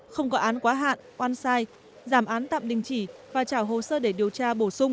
không có án quá hạn oan sai giảm án tạm đình chỉ và trả hồ sơ để điều tra